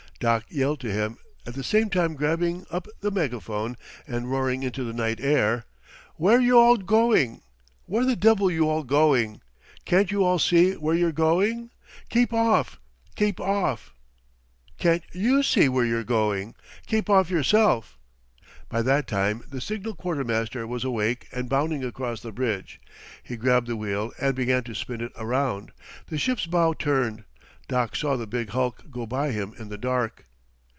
Doc yelled to him, at the same time grabbing up the megaphone and roaring into the night air: "Where you all going? Where the devil you all going? Can't you all see where you're going? Keep off keep off." "Can't you see where you're going? keep off yourself." By that time the signal quartermaster was awake and bounding across the bridge. He grabbed the wheel and began to spin it around. The ship's bow turned. Doc saw the big hulk go by him in the dark.